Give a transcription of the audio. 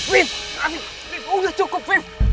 viv bukan itu cukup